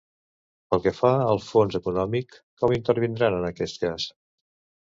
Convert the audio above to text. Pel que fa al fons econòmic, com intervindran en aquest cas?